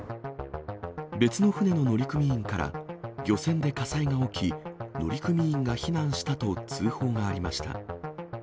別の船の乗組員から、漁船で火災が起き、乗組員が避難したと通報がありました。